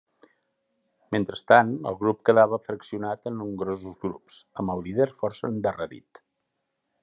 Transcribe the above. Mentrestant el grup quedava fraccionat en nombrosos grups, amb el líder força endarrerit.